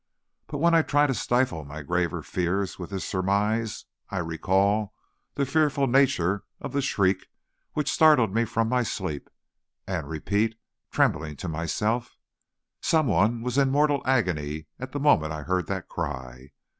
But when I try to stifle my graver fears with this surmise, I recall the fearful nature of the shriek which startled me from my sleep, and repeat, tremblingly, to myself: "Some one was in mortal agony at the moment I heard that cry.